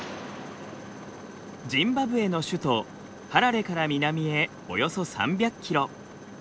ジンバブエの首都ハラレから南へおよそ３００キロ。